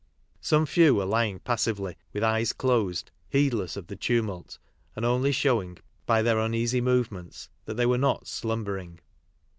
Some few were lying passively, with eyes closed, heedless of the tumult, and only show ing by their uneasy movements that they were not slumbering.